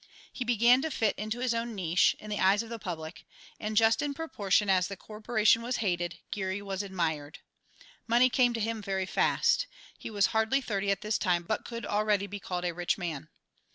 He began to fit into his own niche, in the eyes of the public, and just in proportion as the corporation was hated, Geary was admired. Money came to him very fast. He was hardly thirty at this time, but could already be called a rich man.